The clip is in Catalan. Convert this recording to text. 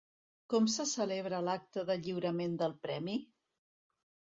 Com se celebra l'acte de lliurament del Premi?